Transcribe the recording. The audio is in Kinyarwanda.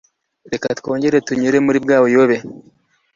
Reka twongere tunyure muri bwabuyobe.